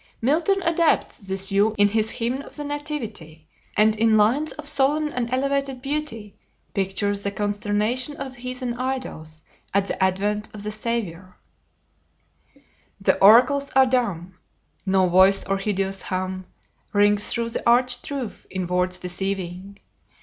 Milton adopts this view in his "Hymn of the Nativity," and in lines of solemn and elevated beauty pictures the consternation of the heathen idols at the Advent of the Saviour: "The oracles are dumb; No voice or hideous hum Rings through the arched roof in words Deceiving.